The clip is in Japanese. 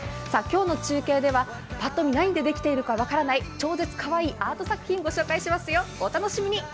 今日の中継ではパッと見何でできているか分からない超絶かわいいアート作品をご紹介しますよ。